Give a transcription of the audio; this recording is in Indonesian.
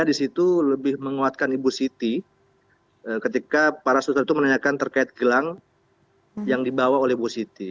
karena di situ lebih menguatkan ibu siti ketika para sutradara itu menanyakan terkait gelang yang dibawa oleh ibu siti